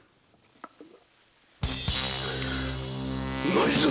ないぞ